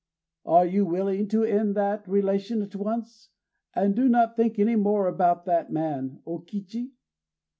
Are you willing to end that relation at once, and not to think any more about that man, O Kichi?